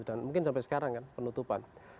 dan mungkin sampai sekarang kan penutupan